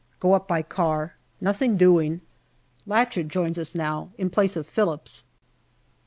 Go up by car. Nothing doing. Lachard joins us now in place of Phillips.